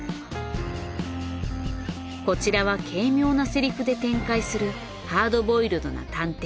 こちらは軽妙なセリフで展開するハードボイルドな探偵